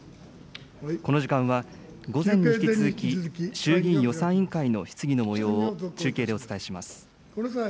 この時間は、午前に引き続き、衆議院予算委員会の質疑のもようを中継でお伝えします。